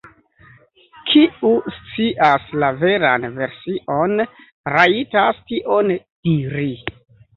Kiu scias la veran version, rajtas tion diri.